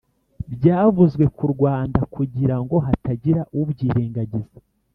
byavuzwe ku rwanda kugira ngo hatagira ubyirengagiza